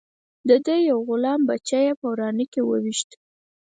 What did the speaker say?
د ده یو غلام بچه یې په ورانه کې وويشت.